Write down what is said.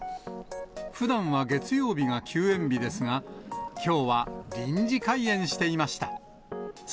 ふだんは月曜日が休園日ですが、きょうは臨時開園していました。